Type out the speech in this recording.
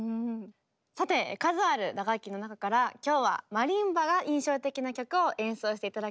さて数ある打楽器の中から今日はマリンバが印象的な曲を演奏して頂けるんですよね。